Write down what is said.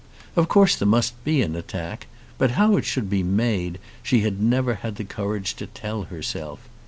Of course there must be an attack, but how it should be made she had never had the courage to tell herself.